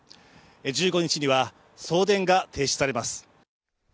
１５日には送電が停止されます。